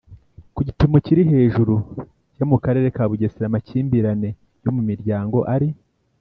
Ku gipimo kiri hejuru ya mu karere ka bugesera amakimbirane yo mu miryango ari